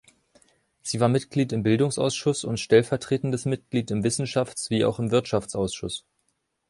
Sie war Mitglied im Bildungsausschuss und stellvertretendes Mitglied im Wissenschafts- wie auch im Wirtschaftsausschuss.